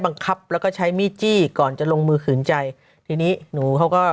บังคับแล้วก็ใช้มีดจี้ก่อนจะลงมือขืนใจทีนี้หนูเขาก็